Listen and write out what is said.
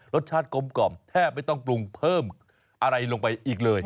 รสชาติกลมกล่อมแทบไม่ต้องปรุงเพิ่มอะไรลงไปอีกเลย